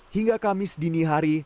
hingga kamis dini hari